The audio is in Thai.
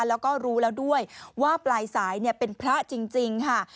แล้วก็รู้แล้วด้วยว่าปลายสายเป็นพระจริงค่ะ